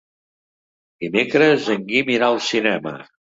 Dimecres en Guim irà al cinema.